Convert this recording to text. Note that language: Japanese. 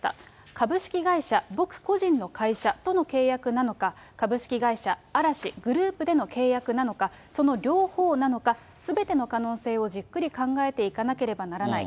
株式会社、僕個人との会社との契約なのか、株式会社嵐、グループでの契約なのか、その両方なのか、すべての可能性をじっくり考えていかなければならない。